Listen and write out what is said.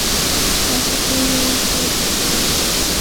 川崎民商事件